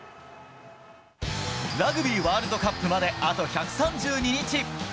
ラグビーワールドカップまであと１３２日。